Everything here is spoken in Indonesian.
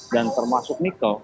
dan termasuk nikel